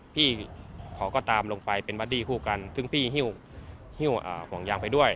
พี่เขาก็ตามลงไปเป็นบัดดี้คู่กันซึ่งพี่หิ้วห่วงยางไปด้วย